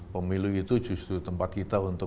pemilu itu justru tempat kita untuk